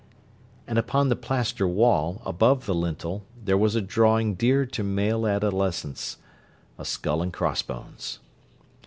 and upon the plaster wall, above the lintel, there was a drawing dear to male adolescence: a skull and crossbones.